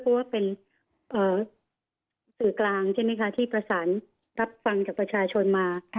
เพราะว่าเป็นสื่อกลางใช่ไหมคะที่ประสานรับฟังจากประชาชนมา